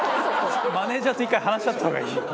マネジャーと１回話し合った方がいいよ。